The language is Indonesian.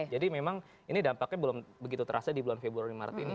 jadi memang ini dampaknya belum begitu terasa di bulan februari maret ini